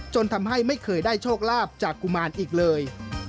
จนทำให้ไม่เคยได้โชคลาภจากกุมารอีกเลย